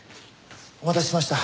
お待たせしました。